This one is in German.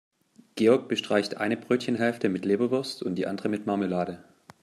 Georg bestreicht eine Brötchenhälfte mit Leberwurst und die andere mit Marmelade.